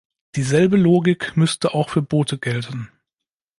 Dieselbe Logik müsste auch für Boote gelten.